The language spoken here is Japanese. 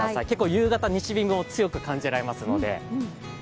夕方、西日も強く感じられますので。